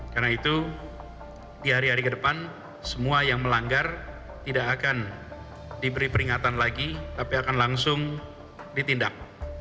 karena itu di hari hari ke depan semua yang melanggar tidak akan diberi peringatan lagi tapi akan langsung ditindak